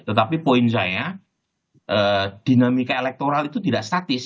tetapi poin saya dinamika elektoral itu tidak statis